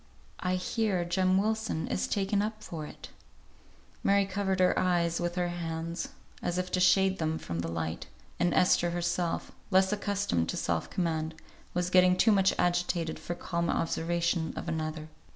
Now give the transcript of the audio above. "I hear Jem Wilson is taken up for it." Mary covered her eyes with her hands, as if to shade them from the light, and Esther herself, less accustomed to self command, was getting too much agitated for calm observation of another.